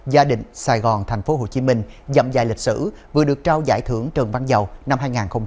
gia đình sài gòn tp hcm dậm dài lịch sử vừa được trao giải thưởng trần văn dầu năm hai nghìn hai mươi ba